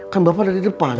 kan bapak ada di depan